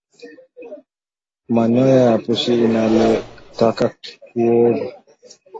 Manyonya ya pushi inaletaka kikoozi